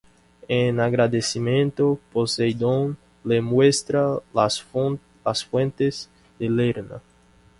En agradecimiento Poseidón le muestra las fuentes de Lerna.